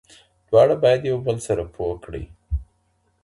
دواړه بايد يو بل سره پوه کړي.